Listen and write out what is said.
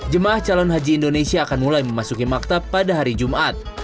jemaah calon haji indonesia akan mulai memasuki maktab pada hari jumat